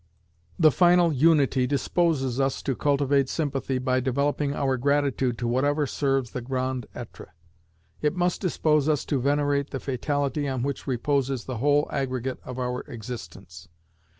"The final unity disposes us to cultivate sympathy by developing our gratitude to whatever serves the Grand Etre. It must dispose us to venerate the Fatality on which reposes the whole aggregate of our existence."